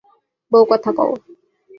বউ কথা কউ